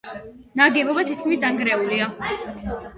ნაგებობა თითქმის დანგრეულია.